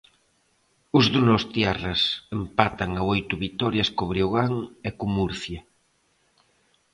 Os donostiarras empatan a oito vitorias co Breogán e co Murcia.